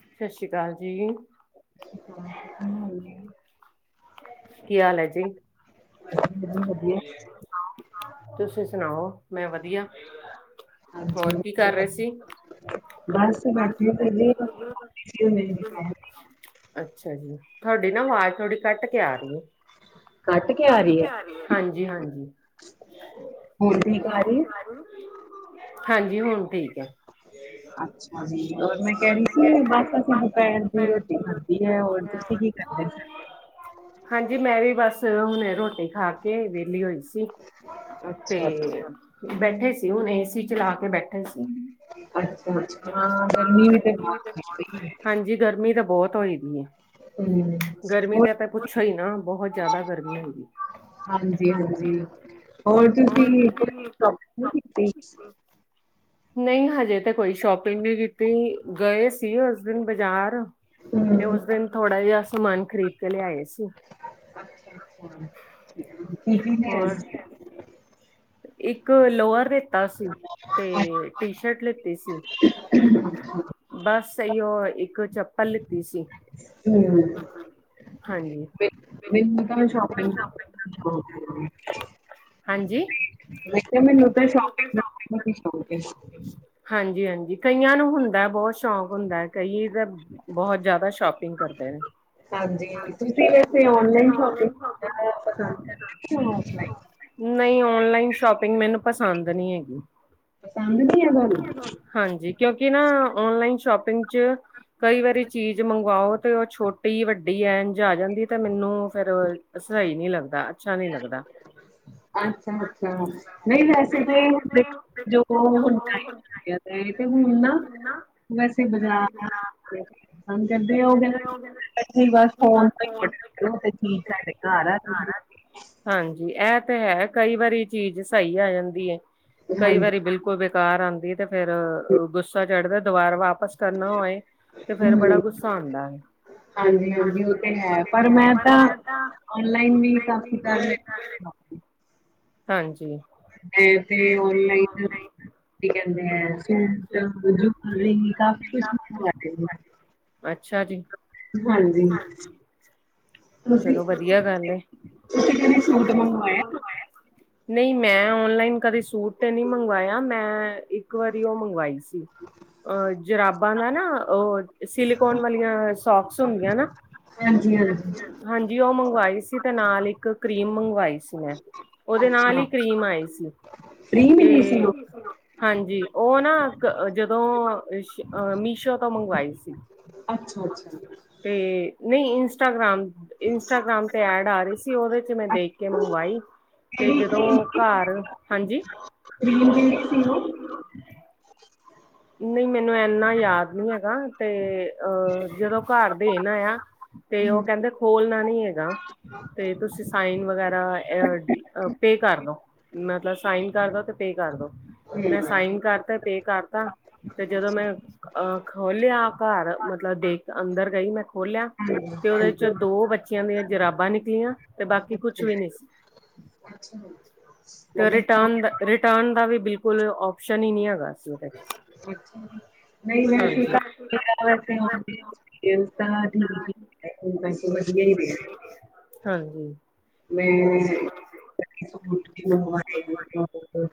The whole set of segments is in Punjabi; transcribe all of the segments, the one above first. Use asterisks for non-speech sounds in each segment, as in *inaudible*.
ਸਤਿ ਸ੍ਰੀ ਅਕਾਲ ਜੀ *inaudible* ਕੀ ਹਾਲ ਹੈ ਜੀ ਤੁਸੀ ਸੁਣਾਓ? ਮੈਂ ਵਧੀਆ, ਹੋਰ ਕੀ ਕਰ ਰਹੇ ਸੀ ਬਸ ਬੈਠੇ *inaudible* ਅੱਛਾ ਜੀ, ਤੁਹਾਡੀ ਨਾ ਆਵਾਜ਼ ਥੋੜੀ ਕੱਟ ਕੇ ਆ ਰਹੀ ਹੈ ਹਾਂਜੀ-ਹਾਂਜੀ ਹੁਣ, ਠੀਕ ਆ ਰਹੀ ਹੈ ਹਾਂਜੀ, ਹੁਣ ਠੀਕ ਆ। ਅੱਛਾ ਜੀ ਮੈਂ ਕਹਿ ਰਹੀ ਸੀ, ਬਸ ਅਸੀਂ ਦੁਪਹਿਰ ਦੀ ਰੋਟੀ ਖਾਧੀ ਹੈ ਹੋਰ ਤੁਸੀਂ? ਹਾਂਜੀ, ਮੈਂ ਵੀ ਬਸ ਹੁਣ ਰੋਟੀ ਖਾ, ਕੇ ਵਿੇਹਲੀ ਹੋਈ ਸੀ, ਤੇ ਬੈਠੇ ਸੀ ਹੁਣੇ ਤੁਸੀਂ, ਚਲਾ ਕੇ ਬੈਠੇ? ਅੱਛਾ-ਅੱਛਾ ਹਾਂ ਗਰਮੀ, ਵੀ ਤੇ ਬਹੁਤ ਹੋ ਗਈ ਕੋਈ ਨਹੀਂ ਹੈ ਹਮ ਹੋਰ *inaudible* *inaudible* ਪੁੱਸ਼ੋ, ਹੀ ਨਾ ਬਹੁਤ ਜਿਆਦਾ ਗਰਮੀ ਹੋਗੀ ਹਾਂਜੀ -ਹਾਂਜੀ? ਹੋਰ ਤੁਸੀਂ *inaudible* ਕੀਤੀ *inaudible* ਨਹੀਂ, ਹਜੇ ਤੇ ਕੋਈ ਸ਼ੋਪਿੰਗ, ਨਹੀਂ ਕੀਤੀ। ਗਏ ਤੇ ਉਸ ਦਿਨ ਬਾਜ਼ਾਰ। ਤੇ ਉਸ ਦਿਨ ਥੋੜਾ ਜਿਹਾ ਸਮਾਨ, ਖਰੀਦ ਕੇ ਲਿਆਏ ਸੀ। ਕਿ ਕੀ ਲਿਆਏ ਸੀ? *inaudible* ਇੱਕ ਲੋਅਰ ਏ। ਤਾ, ਅਸੀ ਟੀ ਸ਼ਰਟ, ਲਿੱਤੀ ਸੀ। ਬਸ ਇਹਓ, ਇੱਕ ਚੱਪਲ ਸੀ। *inaudible* ਮੈਨੂੰ ਤਾਂ ਸ਼ੋਪਿੰਗ *unintelligible* ਹਾਂਜੀ। ਹਾਂਜੀ ਹਾਂਜੀ। ਕਈਆਂ ਨੂੰ ਹੁੰਦਾ ਬਹੁਤ ਸ਼ੌਕ ਹੁੰਦਾ ਕਈ ਦਾ। ਬਹੁਤ ਜ਼ਿਆਦਾ ਸ਼ੋਪਿੰਗ ਕਰਦੇ ਨੇ। ਤੁਸੀਂ ਵੈਸੇ ਆਨਲਾਈਨ ਸ਼ੋਪਿੰਗ ਪਸੰਦ ਕਰਦੇ ਓ। ਨਹੀਂ ਓਨਲਾਈਨ ਸ਼ੋਪਿੰਗ ਮੈਨੂੰ ਪਸੰਦ ਨਹੀਂ ਹੈਗੀ। ਹਾਂਜੀ ਕਿਉਂਕਿ ਨਾ ਓਨਲਾਈਨ ਸ਼ੋਪਿੰਗ ਚ। ਕਈ ਵਾਰੀ ਚੀਜ਼ ਮੰਗਵਾਓ ਤੇ ਉਹ ਛੋਟੀ ਵੱਡੀ ਐਨਝ ਆ ਜਾਂਦੀ ਹੈ ਤੇ ਮੈਨੂੰ। ਫਿਰ ਸਹੀ ਨਹੀਂ ਲੱਗਦਾ ਅੱਛਾ ਨਹੀਂ ਲੱਗਦਾ। ਨਹੀਂ ਵੈਸੇ ਤੇ ਜੋ ਹੁਣ *unintelligible* ਤੇ ਹੁਣ ਨਾ ਵੈਸੇ ਬਜ਼ਾਰ ਹਾਂ। ਕਹਿੰਦੇ ਓ *inaudible* ਚੀਜ਼ ਸਾਡੇ ਘਰ ਆ। ਹਾਂਜੀ ਇਹ ਤੇ ਹੈ ਕਈ ਵਾਰੀ ਚੀਜ਼ ਸਹੀ ਆ ਜਾਂਦੀ ਹੈ। ਕਈ ਵਾਰੀ ਬਿਲਕੁਲ ਬੇਕਾਰ ਆਉਂਦੀ ਏ ਤੇ ਫੇਰ ਗੁੱਸਾ ਚੜਦਾ ਦੁਬਾਰਾ ਵਾਪ ਵਾਪਸ ਕਰਨਾ ਹੋਏ ਤੇ ਫੇਰ ਬੜਾ ਗੁੱਸਾ ਆਉਂਦਾ ਹੈ। ਹਾਂਜੀ ਹਾਂਜੀ ਉਹ ਤੇ ਹੈ ਪਰ ਮੈਂ ਤਾਂ। ਔਨਲਾਈਨ ਵੀ ਕਾਫੀ ਕਾਰ। ਹਾਂਜੀ। ਮੈਂ ਤੇ ਔਨਲਾਈਨ। ਕੀ ਕਹਿੰਦੇ ਆ ਸੂਟ ਜੁਲਰੀ ਕਾਫੀ ਕੁਛ ਮਗਵਾ ਲੈਂਦੇ। ਅੱਛਾ ਜੀ। ਹਾਂਜੀ। ਚਲੋ ਵਧੀਆ ਗੱਲ ਏ ਨਹੀਂ ਮੈਂ ਔਨਲਾਈਨ ਕਦੇ ਸੂਟ ਤੇ ਨਹੀਂ ਮੰਗਵਾਇਆ ਮੈਂ ਇੱਕ ਵਾਰੀ ਉਹ ਮੰਗਵਾਈ ਸੀ। ਜੀ। ਅਹ ਜਰਾਬਾਂ ਦਾ ਨਾ ਉਹ ਸਿਲੀਿਕੋਨ ਵਾਲੀਆਂ ਸੋਕਸ ਹੁੰਦੀਆਂ ਨਾ। ਹਾਂਜੀ ਹਾਂਜੀ। ਹਾਂਜੀ ਉਹ ਮੰਗਵਾਈ ਸੀ ਤੇ ਨਾਲ ਇੱਕ ਕਰੀਮ ਮੰਗਵਾਈ ਸੀ। ਉਹਦੇ ਨਾਲ ਹੀ ਕਰੀਮ ਆਈ ਸੀ। ਤੇ ਹਾਂਜੀ ਉਹ ਨਾ ਜਦੋਂ। ਅਹ ਮੀਸ਼ੋ ਤੋਂ ਮੰਗਵਾਈ ਸੀ। ਅੱਛਾ ਅੱਛਾ ਤੇ ਨਹੀਂ ਇੰਸਟਾਗ੍ਰਾਮ ਇੰਸਟਾਗ੍ਰਾਮ ਤੇ ਐਡ ਆ ਰਹੀ ਸੀ। ਉਹਦੇ ਚ ਮੈਂ ਦੇਖ ਕੇ ਮੰਗਵਾਈ ਤੇ ਜਦੋਂ ਘਰ ਹਾਂਜੀ। ਸੀ। ਨਹੀਂ ਮੈਨੂੰ ਇਨਾ ਯਾਦ ਨਹੀਂ ਹੈਗਾ ਤੇ ਅਹ ਜਦੋਂ ਘਰ ਦੇਣ ਆਇਆ। ਤੇ ਉਹ ਕਹਿੰਦੇ ਖੋਲਣਾ ਨੀ ਹੈਗਾ ਤੇ ਤੁਸੀਂ ਸਾਈਨ ਵਗੈਰਾ ਅ ਕਰਦੋ ਮਤਲਬ ਸਾਈਨ ਕਰਦੋ ਤੇ ਪੇ ਕਰਦੋ ਮੈਂ ਸਾਈਨ ਕਰਤੇ ਪੇ ਕਰਤਾ। ਤੇ ਜਦੋਂ ਮੈਂ ਅਹ ਖੋਲਿਆ ਘਰ ਮਤਲਬ ਦੇਖ ਅੰਦਰ ਗਈ ਮੈਂ ਖੋਲਿਆ। ਤੇ ਉਹਦੇ ਚੋ ਦੋ ਬੱਚੇ। ਚੇਆਂ ਦੀਆਂ ਜਰਾਬਾਂ ਨਿਕਲੀਆਂ ਤੇ ਬਾਕੀ ਕੁਛ ਵੀ ਨੀ ਸੀ। ਰਿਟਨ ਰਿਟਨ ਦਾ ਵੀ ਬਿਲਕੁਲ ਓਸ਼ਨ ਹੀ ਨਹੀਂ ਹੈਗਾ ਸੀ। ਅੱਛਾ ਨਹੀਂ ਵੈਸੇ ਵੈੇ ਤਾ *unintelligible* ਠੀਕ ਕ *unintelligible* ਹਾਂਜੀ। ਮੈਂ ਮੰਵਾ *unintelligible* ਮੈਂ ਮੰਗਵਾਉਂਦੀ ਆ ਆਪੈ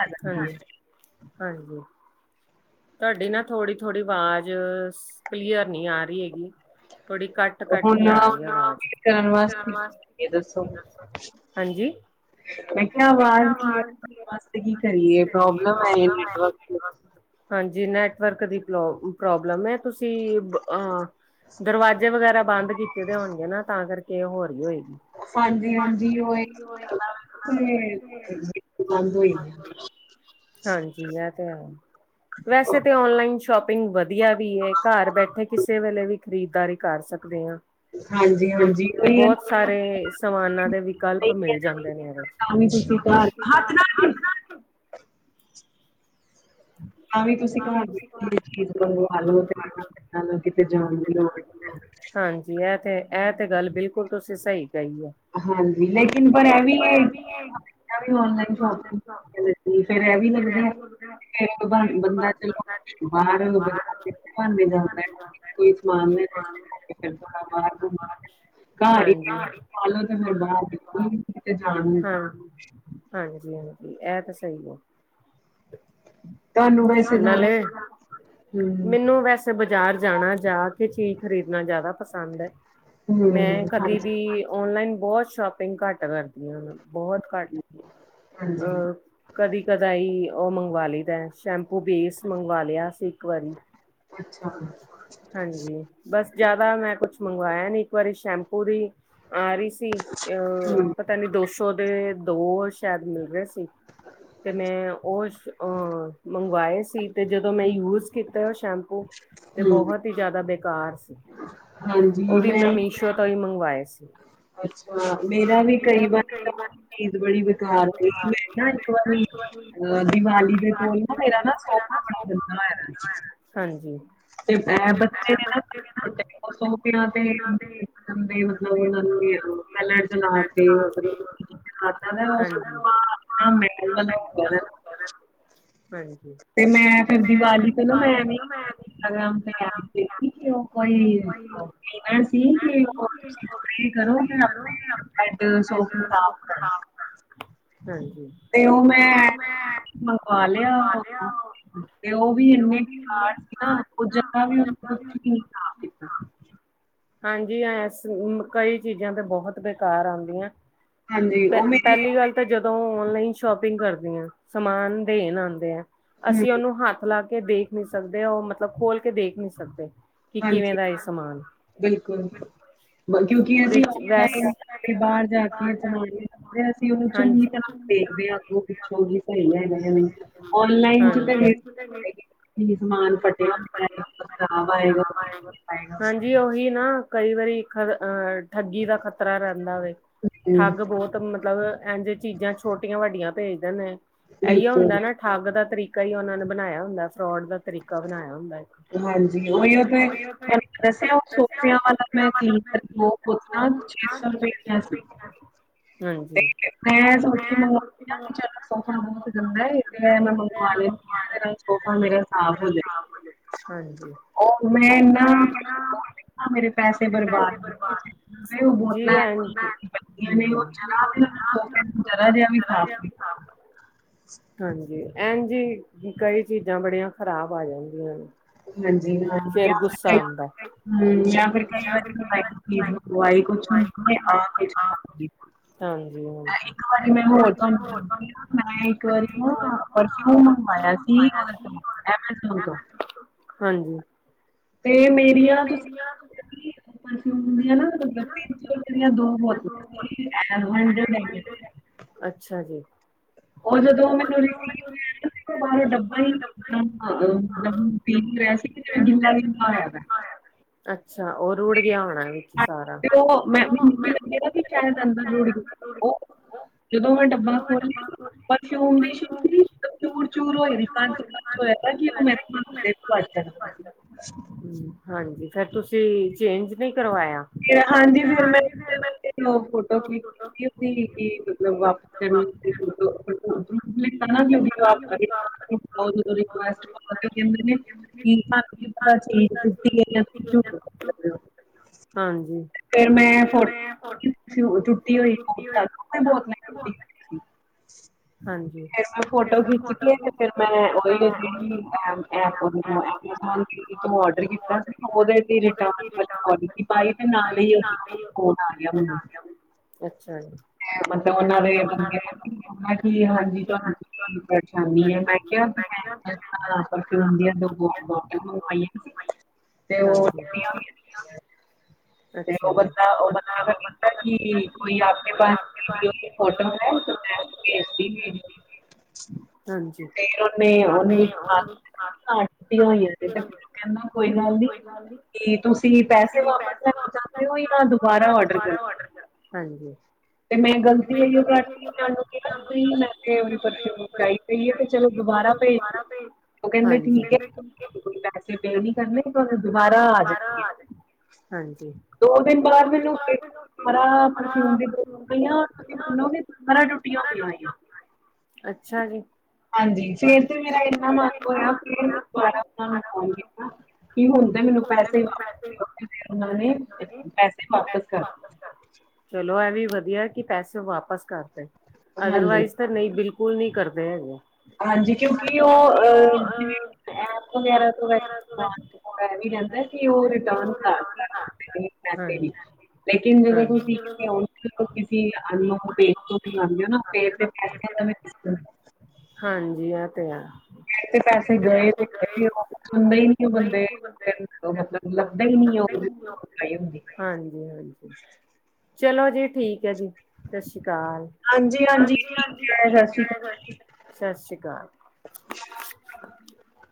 ਆ ਜਾਂਦੀ ਏ। ਤੁਹਾਡੀ ਨਾ ਥੋਡੀ ਥੋਡੀ ਆਵਾਜ਼ ਕਲੀਅਰ। ਨਹੀ ਆ ਰਹੀ ਹੈਗੀ ਥੋੜੀ ਕੱਟ ਕੱਟ ਕੇ ਆ ਰਹੀ। *unintelligible* ਏ ਆਵਾਜ ਕਲੀਅਰ ਆਣ ਵਾਸਤੇ ਅਸੀਂ ਕੀ ਕਰੀਏ ਪ੍ਰੋਬਲਮ ਹੈੈ ਨੇਟਵਰਕ। ਹਾਂਜੀ ਨੈਟਵਰਕ ਦੀ ਪ੍ਰੋ। ਪ੍ਰੋਬਲਮ ਹੈ ਤੁਸੀਂ ਅ ਦਰਵਾਜੇ ਵਗੈਰਾ ਬੰਦ ਕੀਤੇ ਹੋਣਗੇ, ਨਾ ਤਾਂ ਕਰਕੇ ਤੇ ਹੋਰ ਹੀ ਹੋਈ। ਹਾਂਜੀ, ਹਾਂਜੀ ਉਹ ਤੇ ਹਾਂਜੀ, ਇਹ ਤੇ ਹੈ। ਵੈਸੇ ਤੇ ਔਨਲਾਈਨ ਸ਼ੋਪਿੰਗ ਵਧੀਆ ਵੀ ਹੈ, ਘਰ ਬੈਠੇ ਕਿਸੇ ਵੇਲੇ ਵੀ ਖਰੀਦਦਾਰੀ ਕਰ ਸਕਦੇ ਹਾਂ। ਹਾਂਜੀ। ਬਹੁਤ ਸਾਰੇ ਸਮਾਨਾਂ ਦੇ ਵਿਕਲਪ ਮਿਲ ਜਾਂਦੇ ਨੇ ਇਹਦੇ ਚ ਹੱਥ ਨਾ ਹਾਂ ਵੀ ਤੁਸੀਂ ਘਰ ਚੀਜ਼, ਚੀਜ਼ ਮੰਗਵਾਲੋ *unintelligible* ਕਿਤੇ ਜਾਣ ਦੀ ਲੋੜ ਨੀ ਹੈ। ਹਾਂਜੀ, ਇਹ ਤੇ ਇਹ ਤੇ ਗੱਲ ਬਿਲਕੁਲ ਤੁਸੀਂ ਸਹੀ ਹਾਂਜੀ, ਲੇਕਿਨ ਪਰ ਇਹ ਵੀ ਐ ਔਨਲਾਈਨ ਸ਼ੋਪਿੰਗ *unintelligible* ਫੇਰ ਇਹ ਵੀ ਲੱਗਦਾ, ਵੀ ਬੰਦਾ ਚਲੋ ਬਾਹਰ ਔ ਬਜਾਰ ਬਹਾਨੇ ਜਾਂਦਾ ਕੋਈ ਸਮਾਨ ਲੈ *unintelligible* ਕੀਤੇ ਬਾਹਰ ਘੁੰ ਹਾਂਜੀ, ਮੰਗਵਾਲੋ ਤੇ ਫੇਰ ਬਰ ਬਕੁਲ ਵੀ ਕਿਤੇ ਜਾਣ ਨੀ ਹਾਂਜੀ, ਇਹ ਤਾਂ ਸਹੀ ਏ। ਤੁਹਾਨੂੰ ਵੈਸੇ ਜ਼ਿਆਦਾ ਮੈਨੂੰ ਵੈਸੇ ਬਾਜ਼ਾਰ ਜਾਣਾ ਜਾ ਕੇ ਚੀਜ਼ ਖ਼ਰੀਦਣਾ ਜ਼ਿਆਦਾ ਪਸੰਦ ਹੈ, ਮੈਂ ਕਦੇ ਵੀ ਔਨਲਾਈਨ ਬਹੁਤ ਸ਼ੋਪਿੰਗ ਘੱਟ ਕਰਦੀਆਂ ਨੇ। ਬਹੁਤ ਘੱਟ, ਅਹ ਕਦੀ-ਕਦਾਈਂ ਉਹ ਮੰਗਵਾ ਲਈਦਾ ਸ਼ੈਂਪੂ ਬੇਸ ਮੰਗਵਾ ਲਿਆ ਸੀ, ਇੱਕ ਵਾਰੀ ਹਾਂਜੀ, ਬਸ ਜਿਆਦਾ ਮੈਂ ਕੁਛ ਮੰਗਵਾਇਆ ਨੀ ਇੱਕ ਵਾਰੀ ਸ਼ੈਂਪੂ ਦੀ ਆ ਰਹੀ ਸੀ, ਅਹ ਪਤਾ ਨੀ ਦੋ ਸੋ ਦੇ ਦੋ ਸ਼ਾਇਦ ਮਿਲ ਰਹੇ ਸੀ। ਤੇ ਮੈਂ ਉਹਸ ਔਹ ਮੰਗਵਾਏ ਸੀ, ਤੇ ਜਦੋਂ ਮੈਂ ਯੂਜ ਕੀਤਾ ਉਹ ਸ਼ੈਂਪੂ ਤੇ ਬਹੁਤ ਹੀ ਜ਼ਿਆਦਾ ਬੇ ਘਰ ਸੀ, ਉਹ ਵੀ ਮੈਂ ਮੀਸ਼ੋ ਤੋਂ ਹੀ ਮੰਗਵਾਏ ਸੀ। ਅੱਛਾ, ਮੇਰਾ ਵੀ ਕਈ ਵਾਰੀ ਤਾਂ ਬੜੀ ਬਕਾਰ ਤੇ ਮੈਂ ਨਾ ਇੱਕ ਵਾਰੀ ਅਹ ਦੀਵਾਲੀ ਦੇ ਕੋਲ ਨਾ ਮੇਰਾ ਨਾ ਸੋਫਾ ਬੜਾ ਗੰਦਾ ਹੋਇਆ ਦਾ ਸੀ। ਹਾਂਜੀ। ਤੇ ਮੈ ਬੱਚੇ ਨੇ ਨਾ *unintelligible* ਸੋਫੇਆਂ ਤੇ ਗੰਦੇ ਮਤਲਬ ਔਨਾ ਨੇ ਉਹ ਕਲਰ ਲਾ ਤੇ *unintelligible* ਖਾਤਾ ਨਾ ਉਹ ਸੋਫਾ ਮੈਲ ਵਾਲਾ ਹੋ ਗਿਆ ਦਾ ਨਾ। ਹਾਂਜੀ, ਤੇ ਮੈਂ ਫਦੀ ਵਾਰ ਤੋ ਨਾ ਮੈਂ *unintelligible* ਕਿ ਉਹ ਕੋਈ ਸੀ, ਕਿ ਉਹ *unintelligible* ਕਰੋ ਤੇ ਆਪਣੇ ਬੈਡ ਸੋਫੇ ਸੋਫਾ ਸੈਟ ਹਾਂਜੀ, ਤੇ ਉਹ ਮੈਂ ਮੰਗਵਾ ਲਿਆ। ਤੇ ਉਹ ਵੀ ਇੰਨੇ ਬਿਮਾਰ ਸੀ ਨਾ ਉਹ ਜਾ ਵੀ ਉਨੇ ਕੁਛ ਵੀ ਕੀਤਾ। ਹਾਂਜੀ, ਕਈ ਚੀਜ਼ਾਂ ਤੇ ਬਹੁਤ ਬੇਕਾਰ ਆਦੀਆਂ ਪਹਿਲੀ ਗੱਲ ਤਾਂ ਜਦੋਂ ਦੋਂ ਔਨਲਾਈਨ ਸ਼ੋਪਿੰਗ ਕਰਦੀ ਹਾਂ ਸਮਾਨ ਦੇਣ ਆਦੇ ਆ ਅਸੀਂ ਉਹਨੂੰ ਹੱਥ ਲਾ ਕੇ ਦੇਖ ਨੀ ਸਕਦੇ, ਉਹ ਮਤਲਬ ਖੋਲ ਕੇ ਦੇਖ ਨੀ ਸਕਦੇ ਹਾਂਜੀ, ਬਿਲਕੁਲ ਕਿਉਂਕਿ ਅਸੀਂ ਔਫਲਾਈਨ ਬਾਹਰ ਜਾ ਕੇ ਸਮਾਨ ਅਸੀਂ ਉਹਨੂੰ ਚੰਗੀ ਤਰ੍ਹਾਂ ਦੇਖਦੇ ਅੱਗੇ ਪਿੱਛੋਂ ਹੀ ਸਹੀ ਹੈਗਾ ਔਨਲਾਈਨ ਚ ਨਹੀਂ ਸਮਾਨ ਫੱਟਿਆ ਹੋਇਆ, ਖਰਾਬ ਆਏਗਾ। ਹਾਂਜੀ। ਉਹੀ ਨਾ ਕਈ ਵਾਰੀ ਠੱਗੀ ਦਾ ਖ਼ਤਰਾ ਰਹਿੰਦਾ ਵ। ਠੱਗ ਬਹੁਤ ਮਤਲਬ ਇਹ ਜਿਹੇ ਚੀਜ਼ਾਂ ਛੋਟੀਆਂ- ਵੱਡੀਆਂ ਭੇਜ ਦਿੰਦੇ। ਇਹੀ ਹੁੰਦਾ ਨਾ ਠੱਗ ਦਾ ਤਰੀਕਾ ਹੀ ਉਹਨਾ ਨੇ ਬਣਾਇਆ ਹੁੰਦਾ ਫਰੋਡ ਦਾ ਤਰੀਕਾ। ਬਣਾਇਆ ਹੁੰਦਾ। ਹਾਂਜੀ। ਉਹੀਓ ਤੇ ਮ ਦੱਸਿਆ ਸੋਫਿਆਂ ਵਾਲਾ *unintelligible* ਮੈਂਲੀ *unintelligible* ਪਰ ਮੈ ਛੇ ਸੌ ਰੁਪਏ ਕਿਹਾ ਸੀ। ਠੀਕ ਹੈ ਮੈਂ ਸੋਚ ਕੇ ਮੰਗਵਾ ਆ ਚੱਲ ਸੋਫਾ ਬਹੁਤ ਗੰਦਾ ਤੇ ਮੈਂ ਮੰਗਵਾ *unintelligible* ਮੈ ਕਿਹਾ -ਚਲ ਸੋਫਾ ਮੇਰਾ ਸਾਫ ਹੋ ਜਾਏ। ਹਾਂਜੀ। ਆਹ ਮੇਰੇ ਪੈਸੇ ਬਰਬਾਦ ਨੇ ਉਹ ਬੋਤਲਿਆਂ ਨੇ *unintelligible* ਉਹ ਜਰਾ-ਜਰਾ ਵੀ ਸਾਫ਼ *inaudible* ਹਾਂਜੀ। ਐਨ ਜੀ ਕਈ ਚੀਜ਼ਾਂ ਬੜੀਆਂ ਖ਼ਰਾਬ ਆ ਜਾਂਦੀਆਂ ਨੇ। ਹਾਂਜੀ। ਹਮ। ਜਾਂ ਫਿਰ ਕਈ ਵਾਰੀ ਚੀਜ ਈ ਕੁਛ ਹੁੰਦੀ ਆ, ਕੁਛ ਔਰ ਹੀ ਐ। ਇੱਕ ਵਾਰੀ ਮੈਂ ਹੋਰ ਤੁਹਾਨੂੰ ਦੱਸਦੀ ਹਾਂ। ਮੈਂ ਇੱਕ ਵਾਰੀ ਨਾ ਪਰਫਿਊਮ ਮਗੰਵਿਆ ਸੀ ਹੋ ਐਮਾਜ਼ੋਨ ਤੋਂ ਹਾਂਜੀ। ਤੇ ਮੇਰੀਆਂ ਤੁਸੀਂ *unintelligible* *inaudible* ਅੱਛਾ ਜੀ। ਉਹ ਜਦੋਂ ਮੈਨੂੰ ਰਿਸੀਵ ਹੋਇਆ ਨਾ *inaudible* *unintelligible* ਅੱਛਾ। ਉਹ ਉੜ ਗਿਆ ਹੋਣਾ। ਹਾਂਜੀ। ਉਹ ਮੈਂ ਮੈਨੂੰ ਵੀ ਲੱਗੇਗਾ ਵੀ ਸ਼ਾਇਦ ਅੰਦਰ ਰੁੜ ਗਈ ਐ। ਜਦੋਂ ਮੈਂ ਡੱਬਾ ਖੋਲ੍ਹਿਆ। ਪਰਫੁਮ ਦੀ ਸਿਸੀ ਚੂਰ- ਚੂਰ ਹੋਏ ਸੀ ਕੰਚ- ਕਚ ਹੋਇਆ ਉਹ ਮੇਰੇ ਵੀ ਵੱਜ ਸਕਦਾ। ਹਾਂਜੀ। ਫੇਰ ਤੁਸੀਂ ਚੇਂਜ ਨਹੀਂ ਫੇਰ ਹਾਂਜੀ। ਫੇਰ ਫੋਟੋ ਕਲਿੱਕ ਕੀਤੀ ਹੁੰਦੀ ਸੀ। ਕਿ ਮਤਲਬ ਵਾਪਿਸ ਕਰਨ ਵਾਸਤੇ ਫ ਉਧਰੋਂ *unintelligible* *unintelligible* ਹਾਂਜੀ। ਫਿਰ ਮੈ *unintelligible* ਫਿਰ ਮੈਂ ਫੋਟੋ ਖਿੱਚ ਕੇ ਤੇ ਫਿਰ ਮੈਂ ਉਹੀ *unintelligible* ਜਿਹੜਦੀ ਐਪ ਡਰ ਕੀਤਾ ਸੀ ਉਹ ਰਿ ਪਾਈ ਤੇ ਨਾਲ ਹੀ *unintelligible* ਫੋਨ ਆ ਗਿਆ। ਮੈਨੂੰ ਅੱਛਾ ਜੀ। ਮੇ ਮਤਲਬ ਓਨਾ ਦੇ *unintelligible* *unintelligible* ਬਹੁ ਆਈਆ। ਹਾਂਜੀ। ਤੇ ਉਹ ਬ ਉਹ ਬਦਾ ਕਿ ਕੋਈ *unintelligible* ਓ ਫੋਟੋ ਲੈਣੈਂ ਭੇਜ ਦੀਤੀ ਓ। ਫੇਰ ਉਨ ਉਹਨੂੰ ਘ ਟੁੱਟੀਆਂ ਹੋਈਆਂ ਤੇ, ਤੇ ਕਹਿੰਦਾ। ਕੋਈ ਗੱਲ ਨੀ ਕਿ ਤੁਸੀਂ ਪੈਸੇ ਵਾਪਸ ਲੈ। ਚਦੇ ਹੋ ਨਾ ਦੁਬਾਰਾ ਆਡਰ ਕਰਦੇ। ਗਲਤੀ *unintelligible* ਚਲੋ ਦੁਬਾਰਾ ਤੇ ਉਹ ਕਹਿੰਦੇ ਠੀਕ ਹੈ ਪੈਸੇ ਪੇ ਨਹੀ ਕਰਨੇ ਤੁਹਾਨੂੰ ਦੁਬਾਰਾ ਆ ਜਾਣਗੇ। ਦੋ ਦਿਨ ਬਾਅਦ ਮੈਨੂੰ ਫਿਰ ਮਰਾ ਪਰਫਿਊਮ ਦੀ ਪਈਆਂ ਤੁਸੀ ਮੰਨੋਗੇ ਟੁੱਟੀਆਂ ਹੋਈਆਂ ਆਈਆ ਅੱਛਾ ਜੀ। ਹਾਂਜੀ। ਫਰ ਤੇ ਮੇਰਾ ਇਨਾ ਮਨ ਹੋਇਆ ਫ ਦੁਾਰਾਨਾਂ ਨੂੰ ਆ। ਕੀ ਹੁੰਦੇ ਮੈਨੂੰ ਪੈਸੇ ਵਾਪਸ ਦਿਓਗੇ ਫਿਰ? ਉਹਨਾਂ ਨੇ ਪੈਸੇ ਵਾਪਸ ਕਰ ਦਿੱਤੇ ਵਧੀਆ ਕਿ ਪੈਸੇ ਵਾਪਸ ਕਰਦੇ ਅਦਰਵਾਈਜ਼ ਤਾਂ ਨਹੀਂ ਬਿਲਕੁਲ ਨਹੀਂ ਕਰਦੇ ਹੈਗੇ। ਹਾਂਜੀ। ਕਿਉਂਕਿ ਉਹ ਐ ਵਗੈਰਾ ਤੋਂ ਵੈੇ ਵੀ ਰਹਿੰਦਾ ਸੀ ਉਹ ਰਿਟਰਨ ਕਰ ਪੈਸੇ ਵੀ ਲੇਕਿਨ ਜਦੋਂ ਤੁਸੀਂ ਕਿਤੇ ਆਉਦੇ ਅੇ ਤੋਂ ਸੁਉਂਦੇ ਹੋ ਨਾ ਫੇ ਪੈਸ *unintelligible* *unintelligible* ਹਾਂਜੀ ਆ ਤੇ ਆ। ਤੇ ਪੈਸੇ ਗਏ ਸੁਣਦੇ ਹੀ ਨੀ ਉਹ ਬੰਦੇ ਮਤਲਬ ਲੱਗਦਾ ਹੀ ਨਹੀਂ। ਹਾਂਜੀ, ਹਾਂਜੀ ਚਲੋ ਜੀ ਠੀਕ ਠੀਕ ਜੀ ਸਤਿ ਸ਼੍ਰੀ ਅਕਾਲ, ਹਾਂਜੀ, ਹਾਂਜੀ ਠੀਕ ਆ ਸਤ ਸ੍ਰੀ ਅਕਾਲ ਸਤਿ ਸ੍ਰੀ ਅਕਾਲ। *unintelligible* *unintelligible*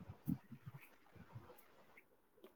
*unintelligible* *unintelligible*